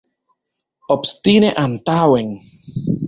Obstine antaŭen!